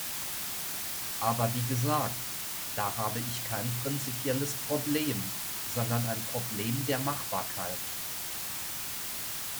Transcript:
Aber wie gesagt, da habe ich kein prinzipielles Problem, sondern ein Problem der Machbarkeit.